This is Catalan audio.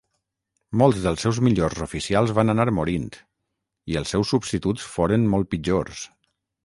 Molts dels seus millors oficials van anar morint i els seus substituts foren molt pitjors.